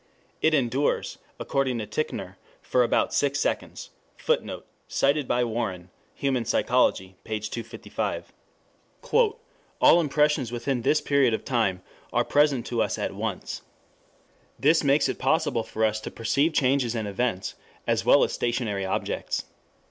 It endures, according to Titchener, for about six seconds. [Footnote: Cited by Warren, Human Psychology, p. 255.] "All impressions within this period of time are present to us at once. This makes it possible for us to perceive changes and events as well as stationary objects.